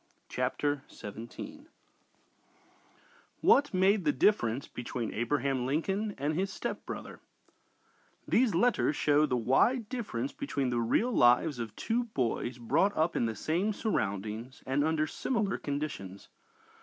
CHAPTER XVII WHAT MADE THE DIFFERENCE BETWEEN ABRAHAM LINCOLN AND HIS STEPBROTHER These letters show the wide difference between the real lives of two boys brought up in the same surroundings, and under similar conditions.